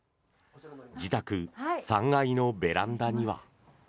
自宅３階のベランダには。